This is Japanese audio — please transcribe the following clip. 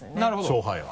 勝敗は。